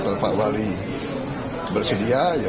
kalau pak wali bersedia